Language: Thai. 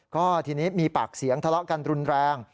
ก็ทีนี้มีปากเสียงทะเลาะกันรุนแรง